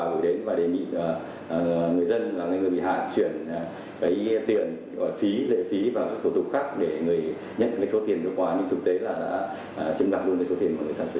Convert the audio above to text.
nhưng thực tế là đã chiếm đoạt luôn số tiền của người ta chuyển đến